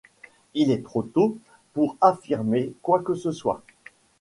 Il est trop tôt pour affirmer quoi que ce soit.